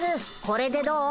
これでどう？